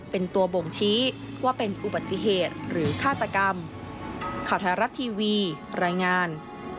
เป็นตัวบ่งชี้ว่าเป็นอุบัติเหตุหรือฆาตกรรม